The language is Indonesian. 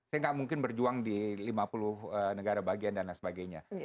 saya nggak mungkin berjuang di lima puluh negara bagian dan lain sebagainya